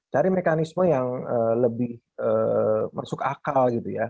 cari mekanisme yang lebih masuk akal